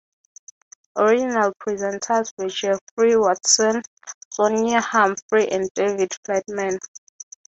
Original presenters were Jeffrey Watson, Sonia Humphrey and David Flatman.